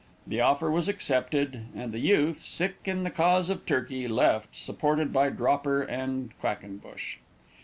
The offer was accepted, and the youth, sick in the cause of Turkey, left, supported by Dropper and Quackenbush.